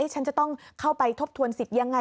ฉันจะต้องเข้าไปทบทวนสิทธิ์ยังไง